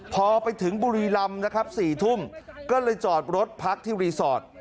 พอไปถึงบุรีรำนะครับ๔ทุ่มก็เลยจอดรถพักที่รีสอร์ท